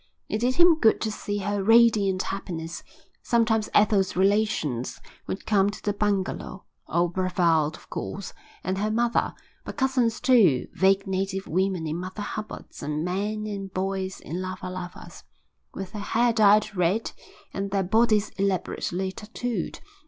It did him good to see her radiant happiness. Sometimes Ethel's relations would come to the bungalow, old Brevald of course, and her mother, but cousins too, vague native women in Mother Hubbards and men and boys in lava lavas, with their hair dyed red and their bodies elaborately tattooed.